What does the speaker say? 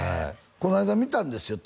この間見たんですよ